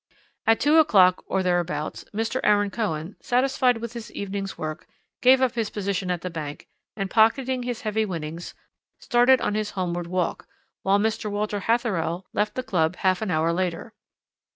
"At two o'clock or thereabouts Mr. Aaron Cohen, satisfied with his evening's work, gave up his position at the bank and, pocketing his heavy winnings, started on his homeward walk, while Mr. Walter Hatherell left the club half an hour later.